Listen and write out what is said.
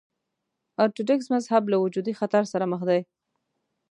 ارتوډوکس مذهب له وجودي خطر سره مخ دی.